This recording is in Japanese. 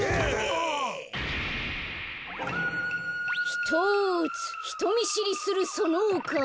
ひとつひとみしりするそのおかお。